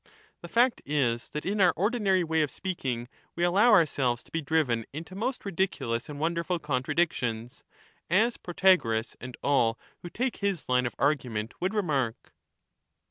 The fact is that in our ordinary way of speaking we allow ourselves to be driven into most ridiculous and wonderful contradictions, as Protagoras and all who take his line of argument would remark.